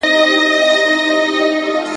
غېږې کې مې یې سر ایښی وای